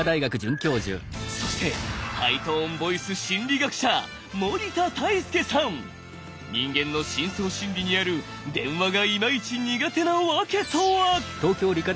そしてハイトーンボイス心理学者人間の深層心理にある電話がイマイチ苦手なワケとは？